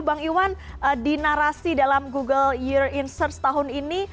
bang iwan di narasi dalam google year in search tahun ini